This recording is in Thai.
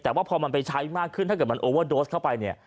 แต่ว่าพอมันไปใช้มากขึ้นถ้าเกิดมันโอเวอร์โดสเข้าไปเนี่ย